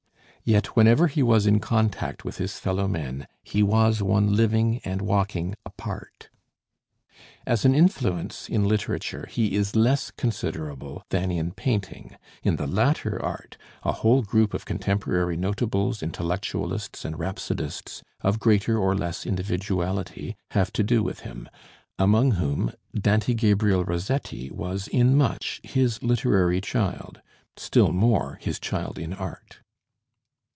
Yet whenever he was in contact with his fellow men, he was one living and walking apart. As an influence in literature he is less considerable than in painting. In the latter art, a whole group of contemporary notables, intellectualists, and rhapsodists of greater or less individuality have to do with him, among whom Dante Gabriel Rossetti was in much his literary child, still more his child in art.